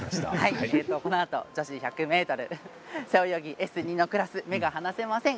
このあと女子１００ｍ背泳ぎＳ２のクラス目が離せません。